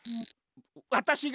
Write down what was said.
わたしが。